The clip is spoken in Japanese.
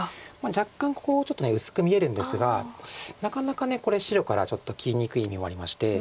若干ここちょっと薄く見えるんですがなかなかこれ白からちょっと切りにくい意味もありまして。